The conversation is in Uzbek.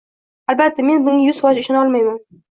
Albatta, men bunga yuz foiz ishona olmayman.